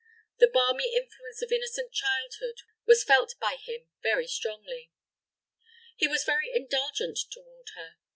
The balmy influence of innocent childhood was felt by him very strongly. He was very indulgent toward her.